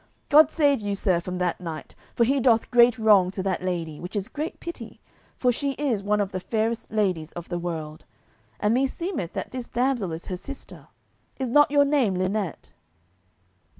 God save you, sir, from that knight, for he doth great wrong to that lady, which is great pity, for she is one of the fairest ladies of the world, and me seemeth that this damsel is her sister. Is not your name Linet?"